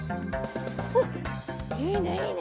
おっいいねいいね